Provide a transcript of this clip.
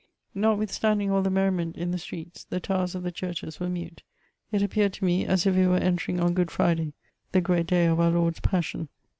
Notwithstanding all the ^ merriment in the streets, the towers of the churches were mute; it appeared to me as if we were entering on Good Fri day, the great day of our Lord's passion.